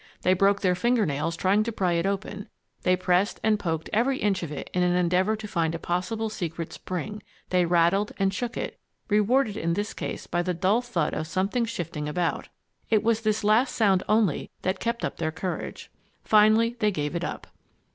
They broke their finger nails trying to pry it open, they pressed and poked every inch of it in an endeavor to find a possible secret spring; they rattled and shook it, rewarded in this case by the dull thud of something shifting about. It was this last sound only that kept up their courage. Finally they gave it up.